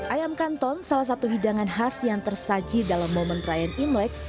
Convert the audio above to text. ayam kanton salah satu hidangan khas yang tersaji dalam momen perayaan imlek